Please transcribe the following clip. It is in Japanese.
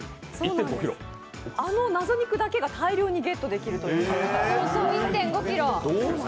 あの謎肉だけが大量にゲットできるという。